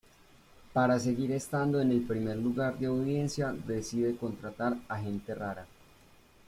Para seguir estando en el primer lugar de audiencia decide contratar a gente rara.